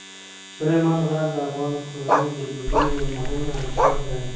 سلیمان غر د افغان کورنیو د دودونو یو مهم عنصر دی.